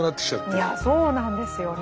いやそうなんですよね。